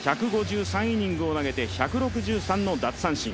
１５３イニングを投げて１６３の奪三振。